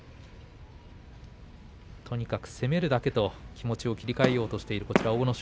とにかく攻めるだけと気持ちを切り替えようとしている阿武咲。